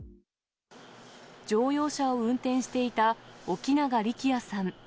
乗用車を運転していた沖永利季弥さん